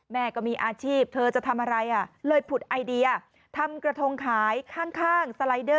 แม่ก็มีอาชีพเธอจะทำอะไรอ่ะเลยผุดไอเดียทำกระทงขายข้าง